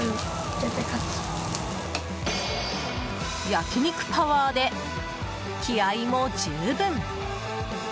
焼き肉パワーで気合も十分！